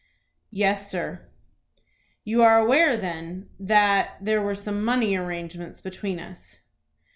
"Yes, sir." "You are aware, then, that there were some money arrangements between us?"